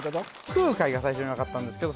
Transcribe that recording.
空海が最初に分かったんですけど